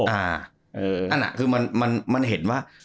อันน่ะคือมันเห็นว่า